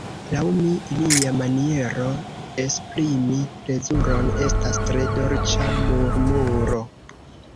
Laŭ mi, ilia maniero esprimi plezuron estas tre dolĉa murmuro.